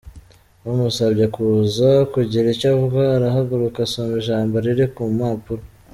Bamusabye kuza kugira icyo avuga arahaguruka asoma ijambo riri ku mpapuro.